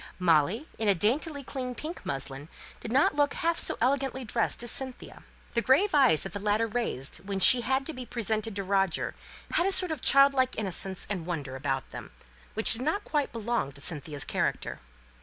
Molly, in a daintily clean pink muslin, did not look half so elegantly dressed as Cynthia. The grave eyes that the latter raised when she had to be presented to Roger had a sort of child like innocence and wonder about them, which did not quite belong to Cynthia's character.